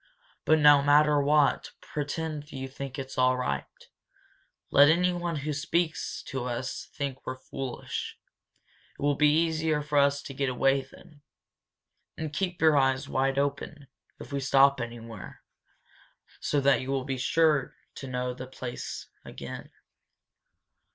"But, no matter what happens pretend you think it's all right. Let anyone who speaks to us think we're foolish. It will be easier for us to get away then. And keep your eyes wide open, if we stop anywhere, so that you will be sure to know the place again!"